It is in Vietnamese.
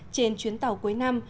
trên chuyến tàu cuối năm